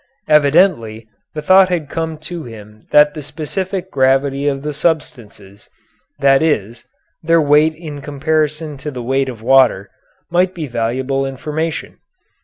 Evidently the thought had come to him that the specific gravity of the substances, that is, their weight in comparison to the weight of water, might be valuable information.